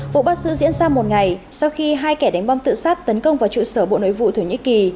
vụ bắt giữ diễn ra một ngày sau khi hai kẻ đánh bom tự sát tấn công vào trụ sở bộ nội vụ thổ nhĩ kỳ